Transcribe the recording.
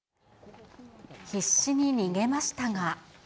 必死に逃げましたが。